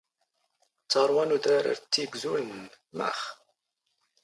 ⵜⴰⵔⵡⴰ ⵏ ⵓⴷⵔⴰⵔ ⴰⵔ ⵜⵜⵉⴳⵣⵓⵏⵍⵏ ⵎⴰⵅⵅ?